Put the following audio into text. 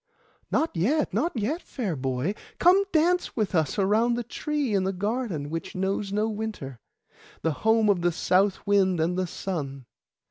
'Not yet, not yet, fair boy; come dance with us around the tree in the garden which knows no winter, the home of the south wind and the sun.